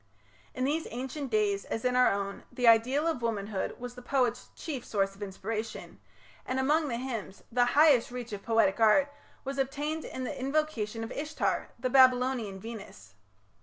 In these ancient days, as in our own, the ideal of womanhood was the poet's chief source of inspiration, and among the hymns the highest reach of poetic art was attained in the invocation of Ishtar, the Babylonian Venus.